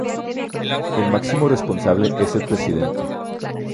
El máximo responsable es el presidente.